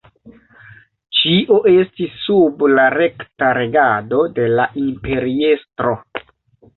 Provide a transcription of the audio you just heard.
Ĉio estis sub la rekta regado de la imperiestro.